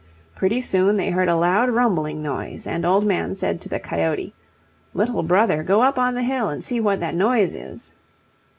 Pretty soon they heard a loud, rumbling noise, and Old Man said to the coyote, "Little brother, go up on the hill and see what that noise is."